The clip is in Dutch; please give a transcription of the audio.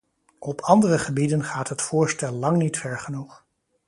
Op andere gebieden gaat het voorstel lang niet ver genoeg.